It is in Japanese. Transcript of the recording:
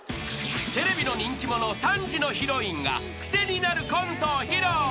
［テレビの人気者３時のヒロインがクセになるコントを披露］